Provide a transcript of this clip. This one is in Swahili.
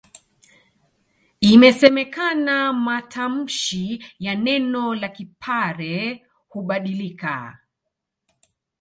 Inasemekana matamshi ya neno la Kipare hubadilika